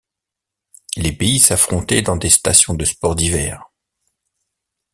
Les pays s'affrontaient dans des stations de sports d'hiver.